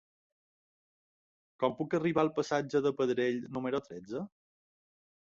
Com puc arribar al passatge de Pedrell número tretze?